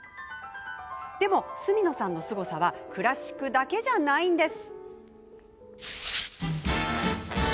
でも角野さんのすごさはクラシックだけじゃないんです。